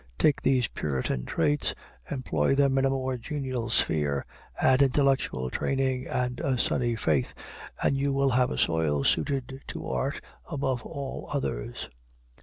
Take these Puritan traits, employ them in a more genial sphere, add intellectual training and a sunny faith, and you have a soil suited to art above all others.